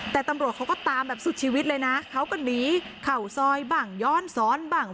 แต่ตำรวจเขาก็ตามแบบสุดชีวิตเลยนะเขาก็หนีเข่าซอยบ้างย้อนซ้อนบ้าง